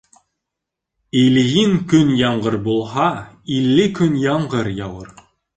Ильин көн ямғыр булһа, илле көн ямғыр яуыр.